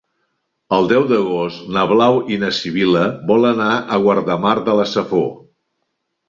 El deu d'agost na Blau i na Sibil·la volen anar a Guardamar de la Safor.